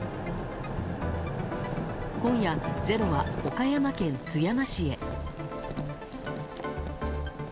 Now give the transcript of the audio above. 今夜、「ｚｅｒｏ」は岡山県津山市へ。